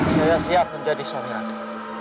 saya siap menjadi suami ratu